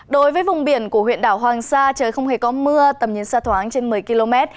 đối với vùng biển của huyện đảo hoàng sa trời không hề có mưa tầm nhìn xa thoáng trên một mươi km